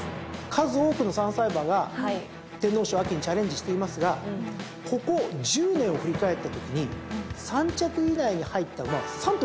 数多くの３歳馬が天皇賞にチャレンジしていますがここ１０年を振り返ったときに３着以内に入った馬は３頭しかいません。